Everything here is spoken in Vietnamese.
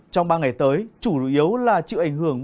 trong ba ngày tới chủ yếu là chịu ảnh hưởng